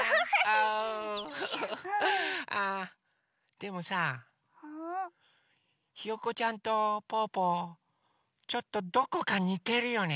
でもさひよこちゃんとぽぅぽちょっとどこかにてるよね？